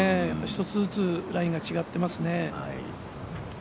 一つずつラインが違っていますね。